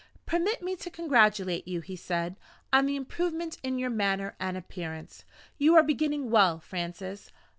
"Permit me to congratulate you," he said, "on the improvement in your manner and appearance. You are beginning well, Francis.